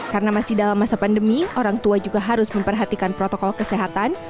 karena masih dalam masa pandemi orang tua juga harus memperhatikan protokol kesehatan